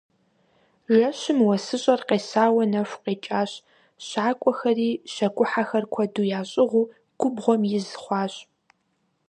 Жэщым уэсыщӀэр къесауэ нэху къекӀащ, щакӀуэхэри, щакӀухьэхэр куэду ящӀыгъуу, губгъуэм из хъуащ.